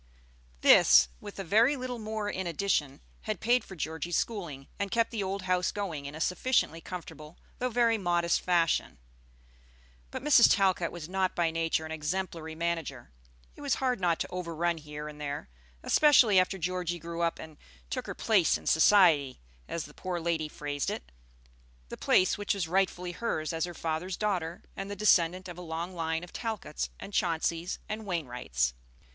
This, with a very little more in addition, had paid for Georgie's schooling, and kept the old house going in a sufficiently comfortable though very modest fashion. But Mrs. Talcott was not by nature an exemplary manager. It was hard not to overrun here and there, especially after Georgie grew up, and "took her place in society," as the poor lady phrased it, the place which was rightfully hers as her father's daughter and the descendant of a long line of Talcotts and Chaunceys and Wainwrights.